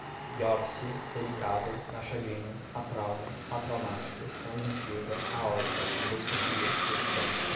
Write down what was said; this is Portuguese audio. biópsia, delicada, machadinho, atrauma, atraumática, conjuntiva, aorta, endoscopia, pelicano